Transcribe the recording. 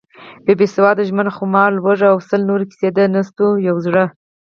بې پیسو ژوند، خمار، لوږه… او سل نورې کیسې، د نستوه یو زړهٔ: